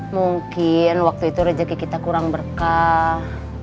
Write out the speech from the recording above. mungkin waktu itu rezeki kita kurang berkah